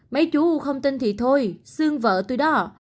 mấy chú không tin thì thôi sương vợ tôi đó